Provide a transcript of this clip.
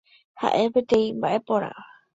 Ha'e peteĩ mba'eporã.